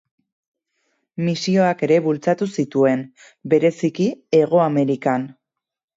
Misioak ere bultzatu zituen, bereziki Hego Amerikan.